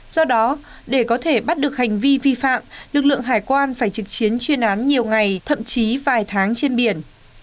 do đó để có thể bắt được hành vi vi phạm lực lượng hải quan phải trực chiến chuyên án nhiều ngày thậm chí vài tháng trên biển